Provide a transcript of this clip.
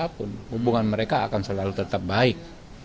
apapun hubungan mereka akan selalu tetap baik